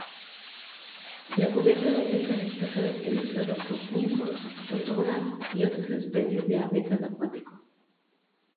La cubierta vegetal está caracterizada por juncos, totoras y otras especies de hábito acuático.